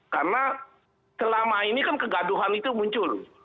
karena selama ini kan kegaduhan itu muncul